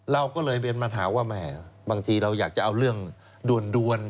เราก็เลยเป็นปัญหาว่าแหมบางทีเราอยากจะเอาเรื่องด่วน